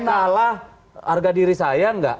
kalau sampai kalah harga diri saya enggak